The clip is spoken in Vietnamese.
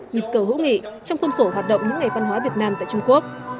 nhịp cầu hữu nghị trong khuôn khổ hoạt động những ngày văn hóa việt nam tại trung quốc